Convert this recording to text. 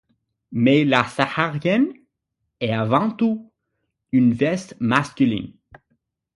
Mais la saharienne est avant tout une veste masculine.